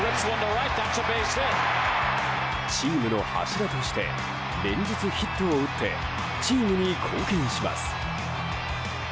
チームの柱として連日、ヒットを打ってチームに貢献します。